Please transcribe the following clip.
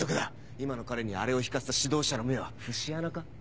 今の彼にあれを弾かせた指導者の目は節穴か？